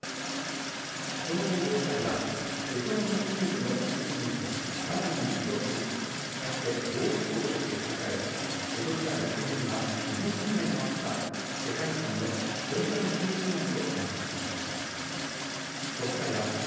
その後、ご夫妻はベトナム中部の中心都市・ダナンに移動し、かつて貿易港として栄え、江戸時代始めには日本人街もあった世界遺産のホイアン旧市街を散策されました。